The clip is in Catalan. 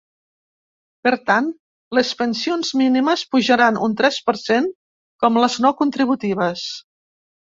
Per tant, les pensions mínimes pujaran un tres per cent, com les no contributives.